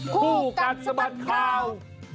ผู้กันสมัครข่าว